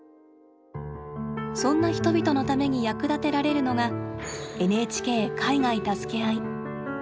そんな人々のために役立てられるのが「ＮＨＫ海外たすけあい」。